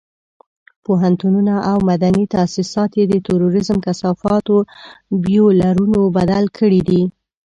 پوهنتونونه او مدني تاسيسات یې د تروريزم کثافاتو بيولرونو بدل کړي دي.